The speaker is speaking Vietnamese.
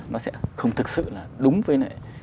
nó sẽ không thực sự là đúng với